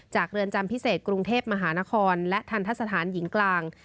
เรือนจำพิเศษกรุงเทพมหานครและทันทะสถานหญิงกลาง